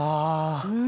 うん。